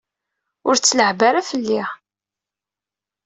Ur tt-leɛɛeb ara fell-i!